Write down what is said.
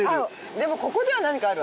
でもここには何かあるわね。